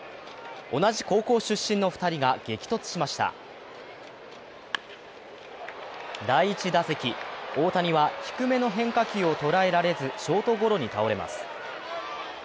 同じ高校出身の２人が激突しました第１打席、大谷は低めの変化球を捉えられず、ショートゴロに倒れます。